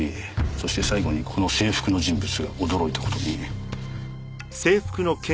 そして最後にこの制服の人物が驚いた事に。